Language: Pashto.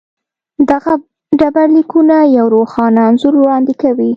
دغه ډبرلیکونه یو روښانه انځور وړاندې کوي.